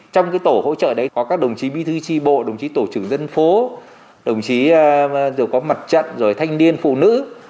trong tổ hỗ trợ có các đồng chí bi thư tri bộ đồng chí tổ trưởng dân phố đồng chí mặt trận thanh niên phụ nữ